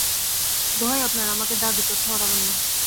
দোহাই আপনার, আমাকে দাগি চোর ঠাওরাবেন না।